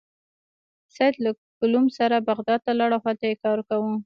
سید له کلوم سره بغداد ته لاړ او هلته یې کار کاوه.